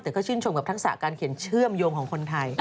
แต่ก็ชื่นชมกับทักษะการเขียนเชื่อมโยงของคนไทย